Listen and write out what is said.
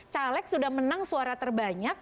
caleg sudah menang suara terbanyak